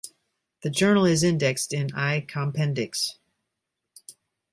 The journal is indexed in Ei Compendex.